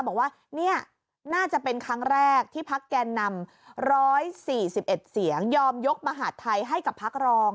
บอกว่านี่น่าจะเป็นครั้งแรกที่พักแกนนำ๑๔๑เสียงยอมยกมหาดไทยให้กับพักรอง